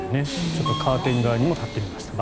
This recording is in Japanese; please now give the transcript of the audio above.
ちょっとカーテン側にも立ってみました。